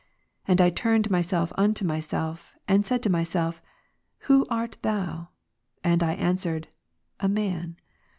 And I turned my self unto myself, and said to myself, " Who art thou ?" And I answered, " A man."